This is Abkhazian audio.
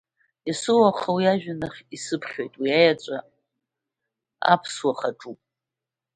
Есыуаха уи ажәҩанахь исыԥхьоит, уи Аеҵәа аԥсыуа хаҿуп.